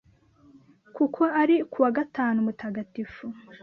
kuko ari ku wa gatanu mutagatifu